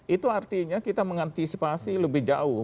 itu artinya kita mengantisipasi lebih jauh